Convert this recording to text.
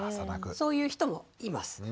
そういう人もいます。